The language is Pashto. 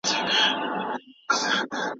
ميرمنې ته کور او هستوګنځای څنګه برابرېدای سي؟